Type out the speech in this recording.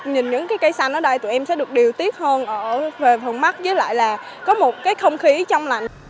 nhìn những cái cây xanh ở đây tụi em sẽ được điều tiết hơn về phần mắt với lại là có một cái không khí trong lạnh